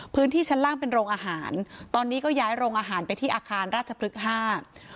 พื้นที่ชั้นล่างเป็นโรงอาหารตอนนี้ก็ย้ายโรงอาหารไปที่อาคารราชพฤกษ์ห้า